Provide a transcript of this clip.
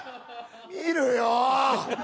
見るよ！